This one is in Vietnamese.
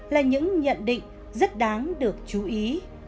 là những nhận định rất đáng được chú ý